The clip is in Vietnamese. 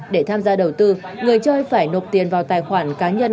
để tham gia đầu tư người chơi phải nộp tiền vào tài khoản cá nhân